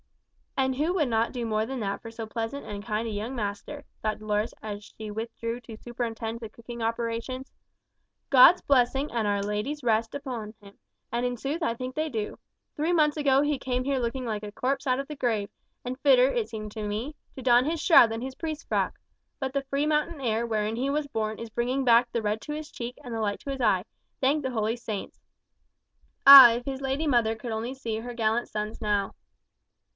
"And who would not do more than that for so pleasant and kind a young master?" thought Dolores, as she withdrew to superintend the cooking operations. "God's blessing and Our Lady's rest on him, and in sooth I think they do. Three months ago he came here looking like a corpse out of the grave, and fitter, as it seemed to me, to don his shroud than his priest's frock. But the free mountain air wherein he was born is bringing back the red to his cheek and the light to his eye, thank the holy Saints. Ah, if his lady mother could only see her gallant sons now!"